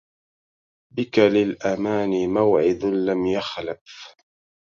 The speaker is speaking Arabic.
بك للأماني موعد لم يخلف